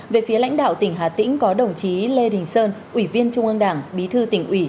về phía lãnh đạo tỉnh hà tĩnh có đồng chí lê đình sơn ủy viên trung ương đảng bí thư tỉnh ủy